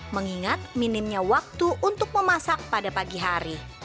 mengingat minimnya waktu untuk memasak pada pagi hari